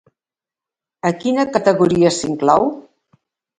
A quina categoria s'inclou?